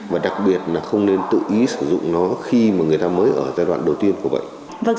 và đặc biệt là không nên tự ý sử dụng nó khi mà người ta mới ở giai đoạn đầu tiên của bệnh